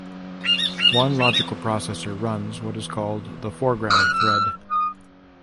One logical processor runs what is called the foreground thread.